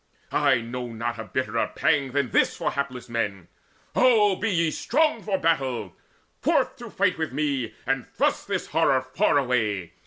I know not A bitterer pang than this for hapless men! O be ye strong for battle! Forth to the fight With me, and thrust this horror far away!